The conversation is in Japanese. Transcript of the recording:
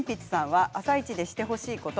「あさイチ」でしてほしいこと